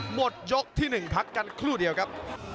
หมดยกที่๑พักกันครู่เดียวครับ